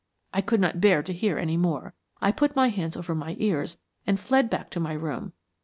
I could not bear to hear any more. I put my hands over my ears and fled back to my room.